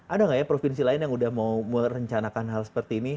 ada nggak ya provinsi lain yang udah mau merencanakan hal seperti ini